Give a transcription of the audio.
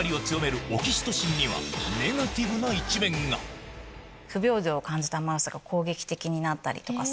だが不平等を感じたマウスが攻撃的になったりとかする。